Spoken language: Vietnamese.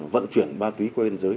vận chuyển ma túy qua biên giới